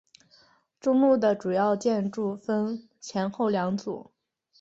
中路的主要建筑分前后两组。